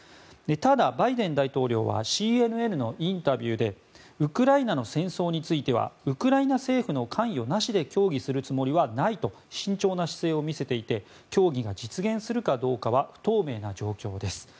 ただ、バイデン大統領はＣＮＮのインタビューでウクライナの戦争についてはウクライナ政府の関与なしで協議するつもりはないと慎重な姿勢を見せていて協議が実現するかどうかは不透明な状況です。